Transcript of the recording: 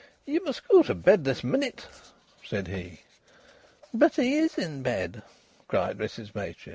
"Ye must go to bed this minute," said he. "But he's in bed," cried Mrs Machin.